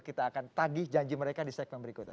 kita akan tagih janji mereka di segmen berikutnya